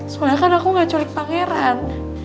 soalnya kan aku gak curik pangeran